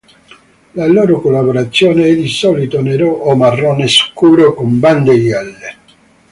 La loro colorazione è di solito nero o marrone scuro con bande gialle.